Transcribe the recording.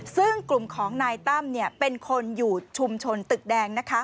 ซึ่งกลุ่มของนายตั้มเป็นคนอยู่ชุมชนตึกแดง